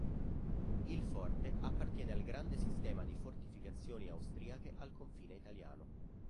Il forte appartiene al grande sistema di fortificazioni austriache al confine italiano.